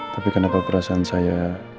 tapi kenapa perasaan saya